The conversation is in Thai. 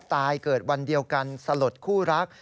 เกิดวันเดียวกันสลดคู่รัก